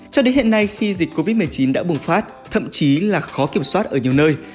cho đến hiện nay khi dịch covid một mươi chín đã bùng phát thậm chí là khó kiểm soát ở nhiều nơi